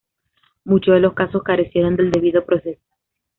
Muchos de los casos carecieron del debido proceso.